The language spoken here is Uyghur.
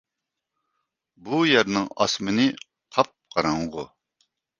بۇ يەرنىڭ ئاسمىنى قاپقاراڭغۇ.